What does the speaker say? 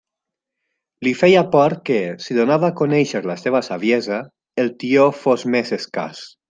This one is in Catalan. Li feia por que, si donava a conèixer la seva saviesa, el tió fos més escàs.